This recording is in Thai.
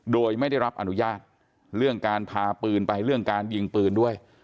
โดยไม่ได้รับอนุญาตเรื่องการพาปืนไปเรื่องการยิงปืนด้วย